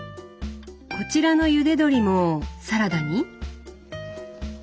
こちらのゆで鶏もサラダに？